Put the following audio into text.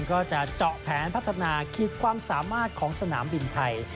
ก็จะเจาะแผนพัฒนาขีดความสามารถของสนามบินไทย